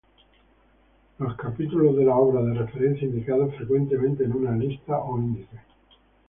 Los capítulos de las obras de referencia indicados frecuentemente en una lista o índice.